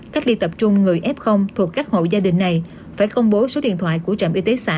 cách ly tập trung người f thuộc các hộ gia đình này phải công bố số điện thoại của trạm y tế xã